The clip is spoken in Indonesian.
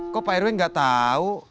kok pak rw gak tau